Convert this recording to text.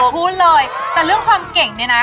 พูดเลยแต่เรื่องความเก่งเนี่ยนะ